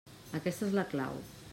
Aquesta és la clau.